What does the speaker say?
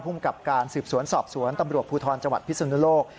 ภูมิกับการสืบสวนสอบสวนตำรวจภูทรจังหวัดพิศนุโลก